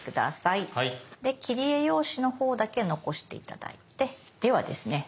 で切り絵用紙のほうだけ残して頂いてではですね